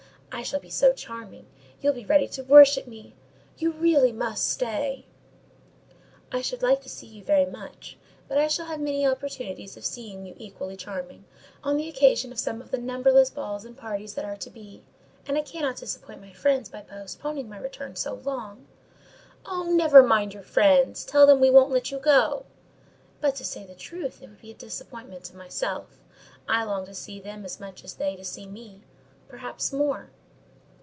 I shall be so charming, you'll be ready to worship me—you really must stay." "I should like to see you very much; but I shall have many opportunities of seeing you equally charming, on the occasion of some of the numberless balls and parties that are to be, and I cannot disappoint my friends by postponing my return so long." "Oh, never mind your friends! Tell them we won't let you go." "But, to say the truth, it would be a disappointment to myself: I long to see them as much as they to see me—perhaps more."